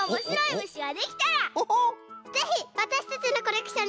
ぜひわたしたちのコレクションにさせてね。